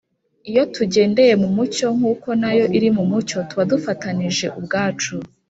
iyo tugendeye mu mucyo nk’uko na yo iri mu mucyo, tuba dufatanije ubwacu